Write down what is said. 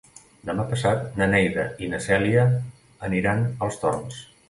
Demà passat na Neida i na Cèlia aniran als Torms.